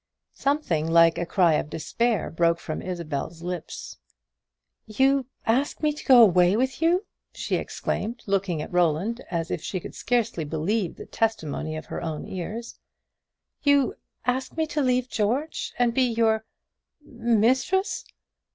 Something like a cry of despair broke from Isabel's lips. "You ask me to go away with you!" she exclaimed, looking at Roland as if she could scarcely believe the testimony of her own ears. "You ask me to leave George, and be your mistress!